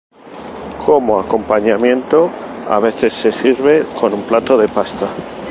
Como acompañamiento a veces se sirve con un plato de pasta.